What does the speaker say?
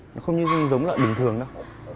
nó không như giống như là bình thường đâu